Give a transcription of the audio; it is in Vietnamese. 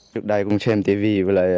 trước đây cũng xem tivi